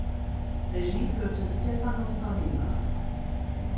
Regie führte Stefano Sollima.